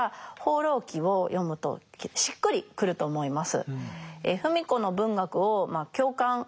「放浪記」を読むとしっくりくると思います。